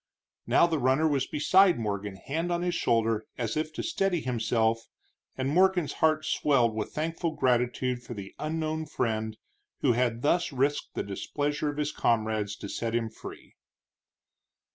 Now the runner was beside Morgan, hand on his shoulder as if to steady himself, and Morgan's heart swelled with thankful gratitude for the unknown friend who had thus risked the displeasure of his comrades to set him free.